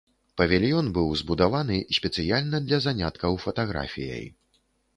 Павільён быў збудаваны спецыяльна для заняткаў фатаграфіяй.